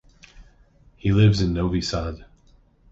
He lives in Novi Sad.